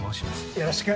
よろしく。